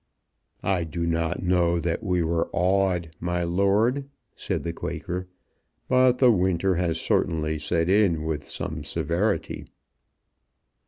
"I do not know that we were awed, my lord," said the Quaker. "But the winter has certainly set in with some severity."